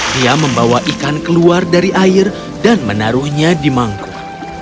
dia membawa ikan keluar dari air dan menaruhnya di mangkuk